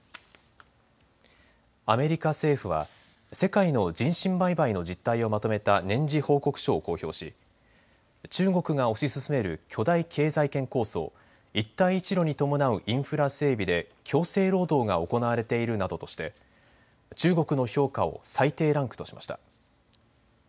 アメリカ政府は世界の人身売買の実態をまとめた年次報告書を公表し、中国が推し進める巨大経済圏構想、一帯一路に伴うインフラ整備で強制労働が行われているなどとして中国の評価を最低ランクとしました。